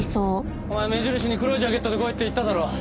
お前目印に黒いジャケットで来いって言っただろ。